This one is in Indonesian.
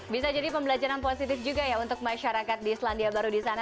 bisa jadi pembelajaran positif juga ya untuk masyarakat di selandia baru di sana